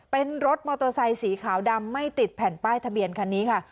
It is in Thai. เป็นรถมอเตอร์ไซค์สีขาวดำไม่ติดแผ่นป้ายทะเบียนคันนี้ค่ะ